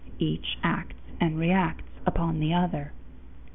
Each acts and reacts upon the other.